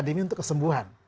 demi untuk kesembuhan